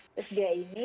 terus dia ini